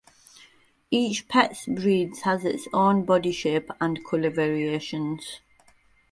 Each Petz breedz has its own body shape and colour variations.